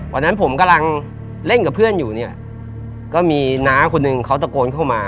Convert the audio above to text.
วันนั้นผมกำลังเล่นกับเพื่อนอยู่นี่แหละก็มีน้าคนหนึ่งเขาตะโกนเข้ามา